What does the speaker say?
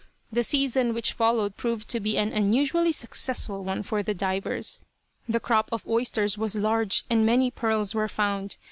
The season which followed proved to be an unusually successful one for the divers. The crop of oysters was large, and many pearls were found.